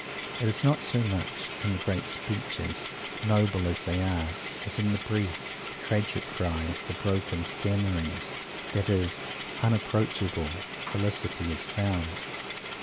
It is not so much in the great speeches, noble as these are, as in the brief, tragic cries and broken stammerings, that his unapproachable felicity is found.